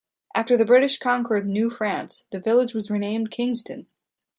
After the British conquered New France, the village was renamed Kingston.